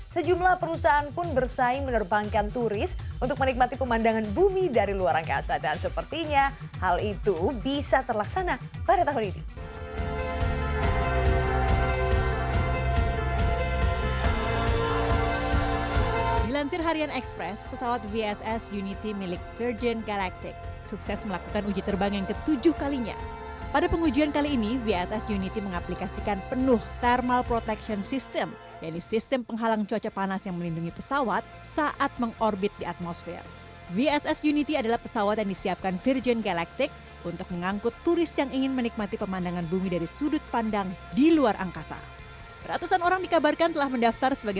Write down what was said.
sejumlah perusahaan pun bersaing menerbangkan turis untuk menikmati pemandangan bumi dari luar angkasa